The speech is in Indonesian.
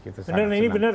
benar ini benar